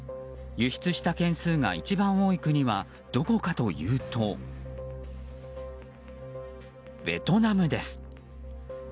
輸出した件数が一番多い国はどこかというとベトナムです。